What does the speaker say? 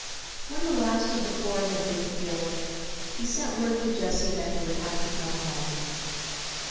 When the last of the four had been killed he sent word to Jesse that he would have to come home.